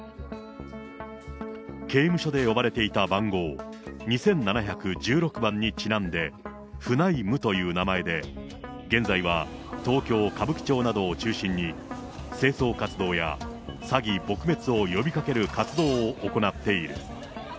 刑務所で呼ばれていた番号２７１６番にちなんで、フナイムという名前で、現在は東京・歌舞伎町などを中心に、清掃活動や、詐欺撲滅を呼びかける活動を行っている。